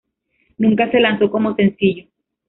Nunca se lanzó como sencillo.